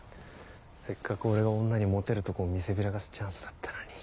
せっかく俺が女にモテるとこを見せびらかすチャンスだったのに。